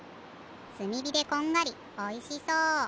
すみびでこんがりおいしそう。